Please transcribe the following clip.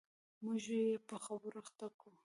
موږ په خبرو اخته و.